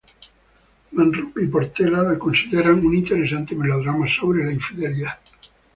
Manrupe y Portela la consideran un interesante melodrama sobre la infidelidad.